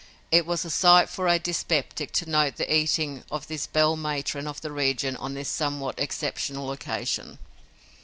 It was a sight for a dyspeptic to note the eating of this belle matron of the region on this somewhat exceptional occasion.